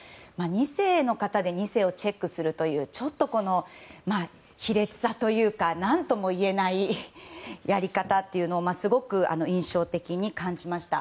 ２世の方で２世をチェックするというちょっと卑劣さというか何とも言えないやり方をすごく印象的に感じました。